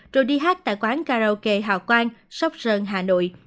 rồi đi hát tại quán karaoke hào quang sóc sơn hà nội